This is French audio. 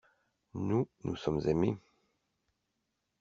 Nous, nous sommes aimés.